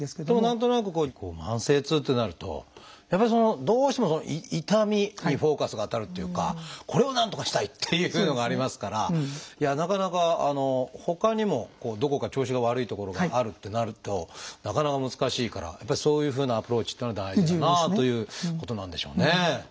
でも何となくこう慢性痛ってなるとやっぱりどうしても痛みにフォーカスが当たるっていうかこれをなんとかしたい！っていうのがありますからなかなかほかにもどこか調子が悪いところがあるってなるとなかなか難しいからやっぱりそういうふうなアプローチっていうのは大事だなということなんでしょうね。